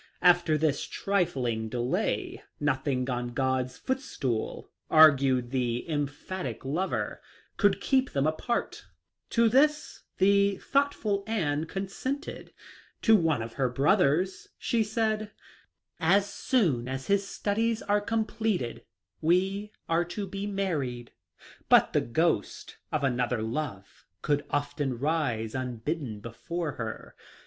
After this trifling delay " nothing on God's footstool," argued the em 138 THE LIFE OF LINCOLN. phatic lover, could keep them apart. To this the thoughtful Anne consented. To one of her brothers, she said :" As soon as his studies are com pleted we are to be married." But the ghost of another love would often rise unbidden before her.